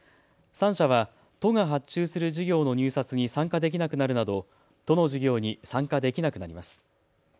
３社は都が発注する事業の入札に参加できなくなるなど都の事業に参加できなくなります。